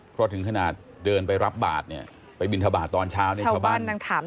เพราะถึงขนาดเดินไปรับบาทเนี่ยไปบินทบาทตอนเช้าเนี่ยชาวบ้าน